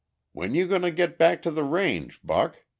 "When you goin' back to the range, Buck?"